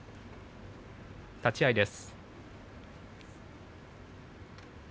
立ち合いです。